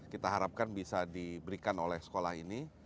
kita harapkan bisa diberikan oleh sekolah ini